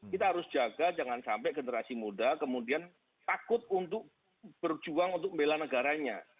kita harus jaga jangan sampai generasi muda kemudian takut untuk berjuang untuk membela negaranya